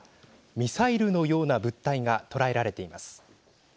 ミサイルのような物体が捉えられています。